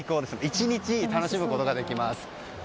１日楽しむことができます。